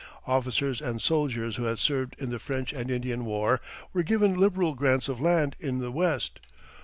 Officers and soldiers who had served in the French and Indian War were given liberal grants of land in the West.